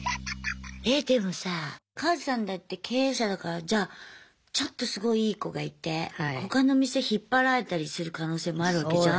えでもさカズさんだって経営者だからじゃあちょっとすごいいい子がいて他の店引っ張られたりする可能性もあるわけじゃん。